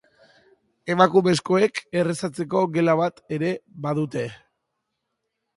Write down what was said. Emakumezkoek errezatzeko gela bat ere badu.